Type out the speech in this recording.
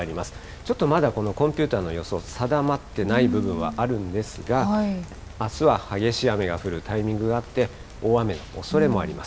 ちょっとまだこのコンピューターの予想、定まってない部分あるんですが、あすは激しい雨が降るタイミングがあって、大雨のおそれもあります。